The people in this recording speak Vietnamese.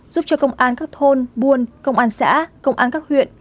giúp cho công an các thôn buôn công an xã công an các huyện